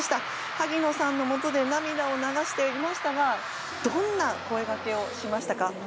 萩野さんのもとで涙を流していましたがどんな声掛けをしましたか？